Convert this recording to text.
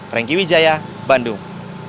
franky widjaya bandung